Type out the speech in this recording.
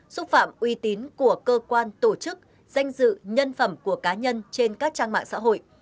xúc phạm uy tín của cơ quan tổ chức danh dự nhân phẩm của cá nhân trên các trang mạng xã hội